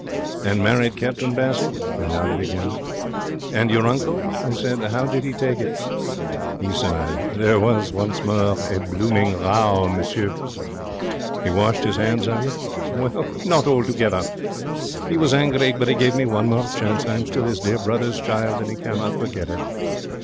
'And married Captain Bassett?' He nodded again. 'And your uncle?' I said. 'How did he take it?' He sighed. 'There was once more,' he said, 'blooming row, monsieur.' 'He washed his hands of you?' 'Not altogether. He was angry, but he gave me one more chance. I am still 'is dear brother's child, and he cannot forget it.